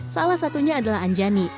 salah satunya adalah anjani